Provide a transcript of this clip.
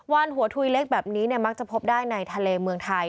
หัวทุยเล็กแบบนี้มักจะพบได้ในทะเลเมืองไทย